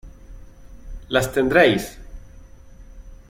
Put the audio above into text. las tendréis.